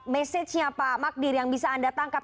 mesejnya pak magdir yang bisa anda tangkap